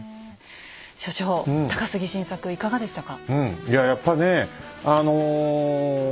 所長高杉晋作いかがでしたか？